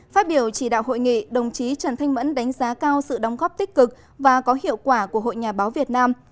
phát biểu chỉ đạo hội nghị đồng chí trần thanh mẫn đánh giá cao sự đóng góp tích cực và có hiệu quả của hội nhà báo việt nam